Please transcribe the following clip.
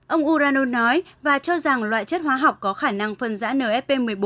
ông urano nói và cho rằng loại chất hóa học có khả năng phân giã nfp một mươi bốn